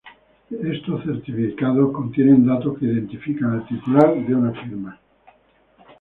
Esos certificados contienen datos que identifican al titular de una firma.